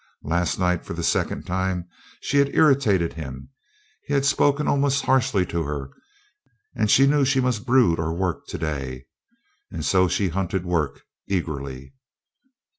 Last night, for the second time, she had irritated him; he had spoken almost harshly to her, and she knew she must brood or work today. And so she hunted work, eagerly.